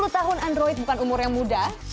sepuluh tahun android bukan umur yang muda